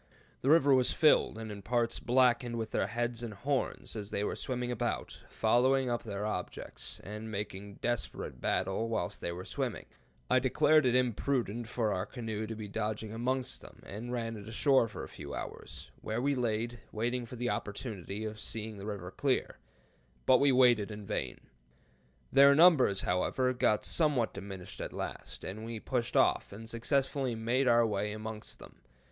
The river was filled, and in parts blackened with their heads and horns, as they were swimming about, following up their objects, and making desperate battle whilst they were swimming. I deemed it imprudent for our canoe to be dodging amongst them, and ran it ashore for a few hours, where we laid, waiting for the opportunity of seeing the river clear, but we waited in vain. Their numbers, however, got somewhat diminished at last, and we pushed off, and successfully made our way amongst them.